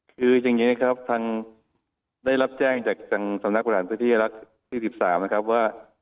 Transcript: คือจริงนะครับทางได้รับแจ้งจากทางสำนักประหลาดพฤทธิรักษ์ที่สิบสามนะครับว่า